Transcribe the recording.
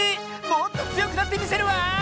もっとつよくなってみせるわ！